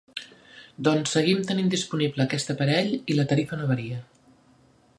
Doncs seguim tenint disponible aquest aparell i la tarifa no varia.